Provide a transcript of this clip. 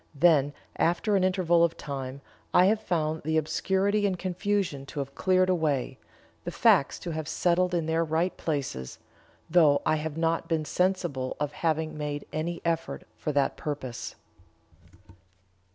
Then after an interval of time, I have found the obscurity and confusion to have cleared away: the facts to have settled in their right places, though I have not been sensible of having made any effort for that purpose."